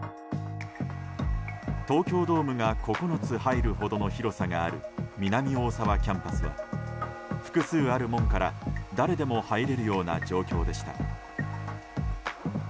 東京ドームが９つ入るほどの広さがある南大沢キャンパスは複数ある門から誰でも入れるような状況でした。